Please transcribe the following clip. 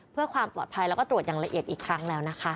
เพื่อความปลอดภัยแล้วก็ตรวจอย่างละเอียดอีกครั้งแล้วนะคะ